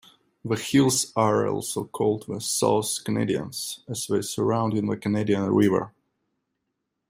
The hills are also called the "South Canadians," as they surround the Canadian River.